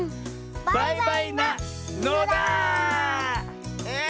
バイバイなのだ！